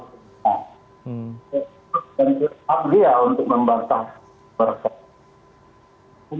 dan tetap dia untuk membatas persidangan